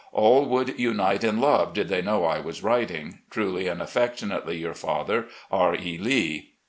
All would unite in love did they know I was writing. "Truly and aflEectionately, your father, "R. E. Lee.